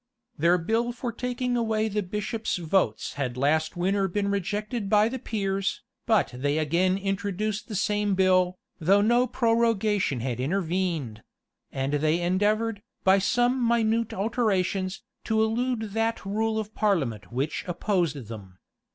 359 Their bill for taking away the bishops' votes had last winter been rejected by the peers: but they again introduced the same bill, though no prorogation had intervened; and they endeavored, by some minute alterations, to elude that rule of parliament which opposed them.